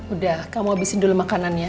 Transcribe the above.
udah kamu habisin dulu makanannya